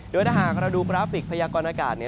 โดยถ้าหากเราดูกราฟิกพยากรณากาศ